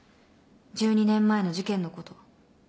１２年前の事件のこと。